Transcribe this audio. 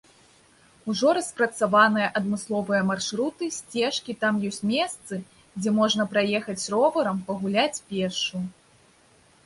Ужо распрацаваныя адмысловыя маршруты, сцежкі, там ёсць месцы, дзе можна праехаць роварам, пагуляць пешшу.